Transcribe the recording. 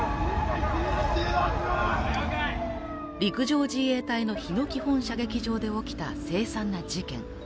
陸上自衛隊の日野基本射撃場で起きた凄惨な事件。